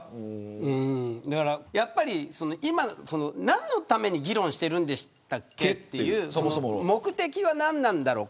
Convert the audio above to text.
やっぱり、何のために議論しているんでしたっけという目的は何なんだろう